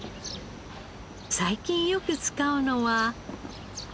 最近よく使うのは。